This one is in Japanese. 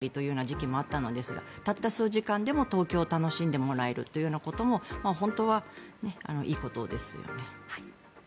今まで隔離期間があったりという時期もあったのですがたった数時間でも東京を楽しんでもらえるというようなことも本当はいいことですよね。